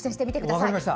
分かりました。